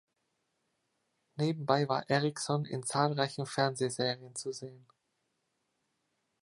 Nebenbei war Ericson in zahlreichen Fernsehserien zu sehen.